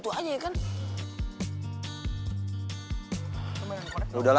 canoh ini mampir gak ada